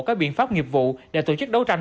các biện pháp nghiệp vụ để tổ chức đấu tranh